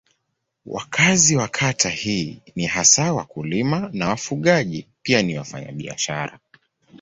Wakazi wa kata hii ni hasa wakulima na wafugaji pia ni wafanyabiashara.